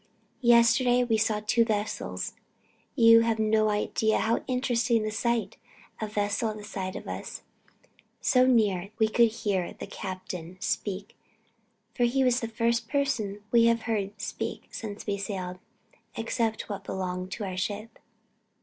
Yesterday we saw two vessels.... You have no idea how interesting the sight a vessel at the side of us, so near we could hear the captain speak for he was the first person we have heard speak since we sailed, except what belong to our ship.